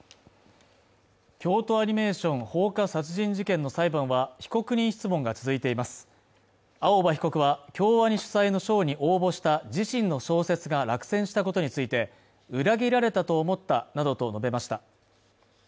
京都アニメーション放火殺人事件の裁判は被告人質問が続いています青葉被告は京アニ主催の賞に応募した自身の小説が落選したことについて裏切られたと思ったなどと述べました